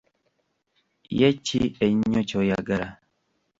Ye ki ennyo ky'oyagala?